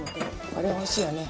これおいしいよね。